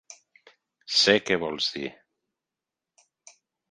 Sé què vols dir.